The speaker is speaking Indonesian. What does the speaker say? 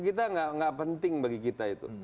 kita nggak penting bagi kita itu